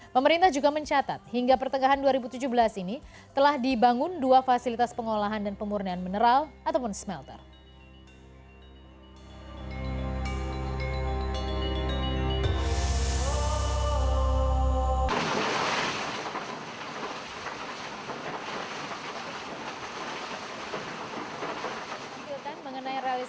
pemerintah juga mencatat hingga pertengahan dua ribu tujuh belas ini telah dibangun dua fasilitas pengolahan dan pemurnian mineral ataupun smelter